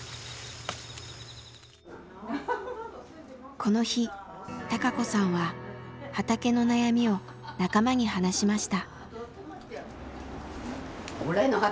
この日孝子さんは畑の悩みを仲間に話しました。